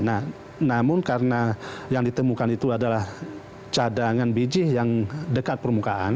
nah namun karena yang ditemukan itu adalah cadangan biji yang dekat permukaan